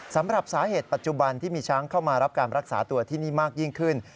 สำหรับสาเหตุปัจจุบันที่มีช้างเข้ามารับการรักษาตัวที่นี่มากยิ่งขึ้น